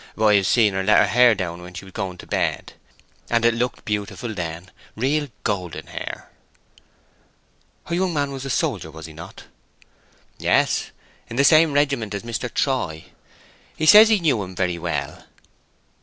But I have seen her let it down when she was going to bed, and it looked beautiful then. Real golden hair." "Her young man was a soldier, was he not?" "Yes. In the same regiment as Mr. Troy. He says he knew him very well."